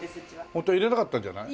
ホントは入れなかったんじゃない？